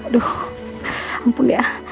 aduh ampun ya